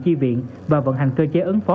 chi viện và vận hành cơ chế ứng phó